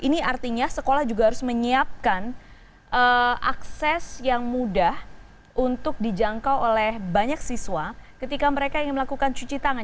ini artinya sekolah juga harus menyiapkan akses yang mudah untuk dijangkau oleh banyak siswa ketika mereka ingin melakukan cuci tangan